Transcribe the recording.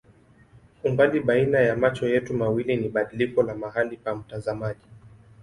Umbali baina ya macho yetu mawili ni badiliko la mahali pa mtazamaji.